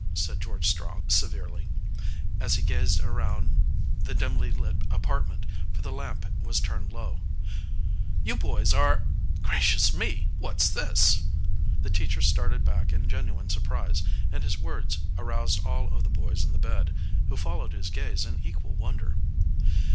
said George Strong severely, as he gazed around the dimly lit apartment, for the lamp was turned low. "You boys are gracious me! What's this?" The teacher started back in genuine surprise, and his words aroused all of the boys in the beds, who followed his gaze in equal wonder.